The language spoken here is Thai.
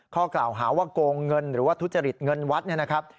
ข้อกล่าวหาว่าโกงเงินหรือว่าทุจริตเงินวัดเนี่ยนะครับ